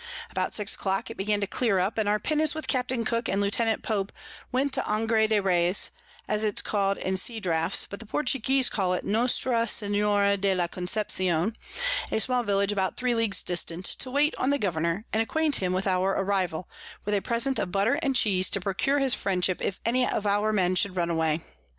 About six a clock it began to clear up, and our Pinnace with Capt. Cook and Lieutenant Pope went to Angre de Reys, as it's call'd in Sea Draughts, but the Portuguese call it Nostra Seniora de La Conception, a small Village about three Leagues distant, to wait on the Governour, and acquaint him with our Arrival, with a Present of Butter and Cheese, to procure his Friendship if any of our Men should run away.